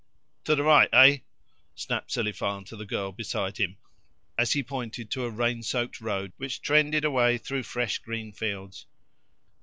"To the right, eh?" snapped Selifan to the girl beside him as he pointed to a rain soaked road which trended away through fresh green fields.